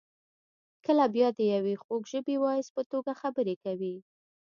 کله بیا د یوې خوږ ژبې واعظ په توګه خبرې کوي.